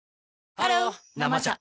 ハロー「生茶」